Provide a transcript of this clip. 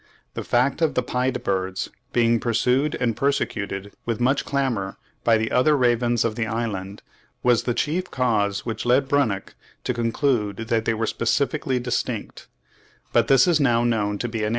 The fact of the pied birds being pursued and persecuted with much clamour by the other ravens of the island was the chief cause which led Brunnich to conclude that they were specifically distinct; but this is now known to be an error.